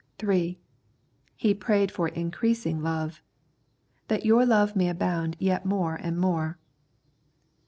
(3) He prayed for increasing love ;" that your love may abound yet more and more."